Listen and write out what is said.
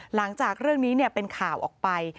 หลังจากเรื่องนี้เป็นข่าวออกไป